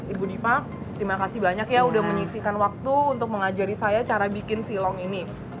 ibu diva terima kasih banyak ya udah menyisikan waktu untuk mengajari saya cara bikin silong ini